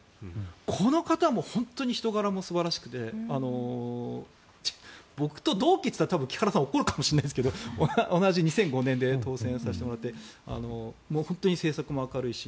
この方も本当に人柄も素晴らしくて僕と同期って言ったら木原さんは怒るかもしれませんが同じ２００５年で当選させてもらってもう本当に政策も明るいし。